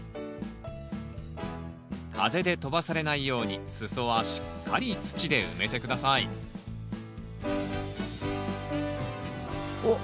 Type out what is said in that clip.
風で飛ばされないように裾はしっかり土で埋めて下さいおっ！